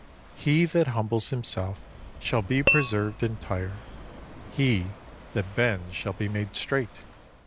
He that humbles himself shall be preserved entire. He that bends shall be made straight.